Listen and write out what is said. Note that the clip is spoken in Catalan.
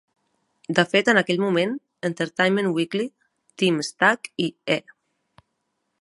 De fet, en aquell moment, "Entertainment Weekly" Tim Stack i "E!